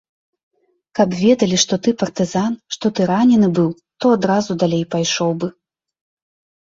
Каб ведалі, што ты партызан, што ты ранены быў, то адразу далей пайшоў бы.